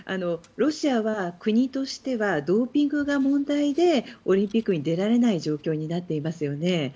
ロシアは国としてはドーピングが問題でオリンピックに出られない状況になっていますよね。